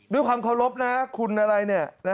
ด้วยความเคารพนะคุณอะไรเนี่ย